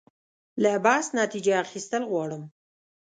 له بحث نتیجه اخیستل غواړم.